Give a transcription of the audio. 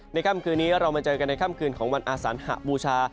ค่ำคืนนี้เรามาเจอกันในค่ำคืนของวันอาสันหบูชา